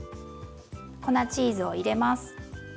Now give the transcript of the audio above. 粉チーズを入れます。